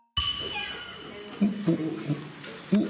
おっ！